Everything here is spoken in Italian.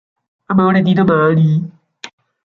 Amore di domani